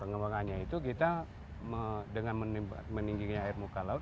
pengembangannya itu kita dengan meningginya air muka laut